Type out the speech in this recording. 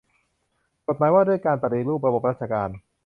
กฎหมายว่าด้วยการปฏิรูประบบราชการ